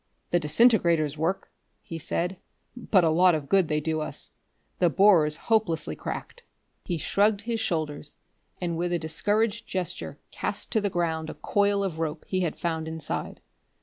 "The disintegrators work," he said, "but a lot of good they do us. The borer's hopelessly cracked." He shrugged his shoulders, and with a discouraged gesture cast to the ground a coil of rope he had found inside.